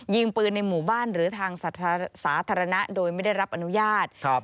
ยิงปืนในหมู่บ้านหรือทางสาธารณะโดยไม่ได้รับอนุญาต